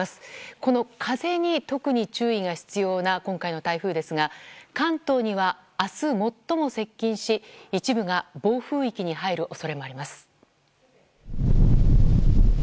この風に特に注意が必要な今回の台風ですが関東には明日、最も接近し一部が暴風域に入る恐れもあります。